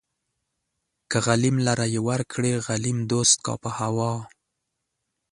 که غليم لره يې ورکړې غليم دوست کا په هوا